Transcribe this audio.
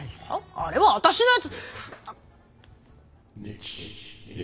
あれは私のやつ。